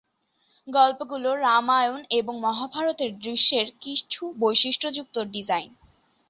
গল্পগুলো রামায়ণ এবং মহাভারতের দৃশ্যের কিছু বৈশিষ্ট্যযুক্ত ডিজাইন।